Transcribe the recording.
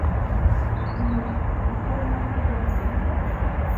— Илюш, иктаж-мом пурлаш кондо.